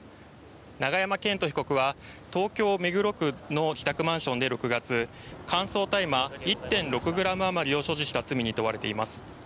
永山絢斗被告は東京・目黒区の自宅マンションで６月乾燥大麻１．６ｇあまりを所持した罪に問われています。